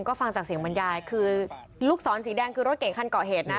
ก็ฟังจากเสียงบรรยายคือลูกศรสีแดงคือรถเก่งคันเกาะเหตุนะ